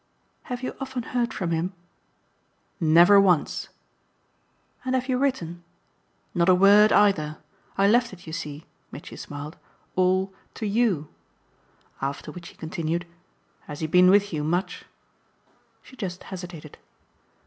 "Have you often heard from him?" "Never once." "And have you written?" "Not a word either. I left it, you see," Mitchy smiled, "all, to YOU." After which he continued: "Has he been with you much?" She just hesitated.